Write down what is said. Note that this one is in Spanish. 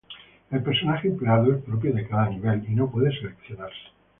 El personaje empleado es propio de cada nivel y no puede seleccionarse.